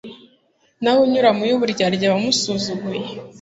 naho unyura mu y'uburyarya aba amusuzuguye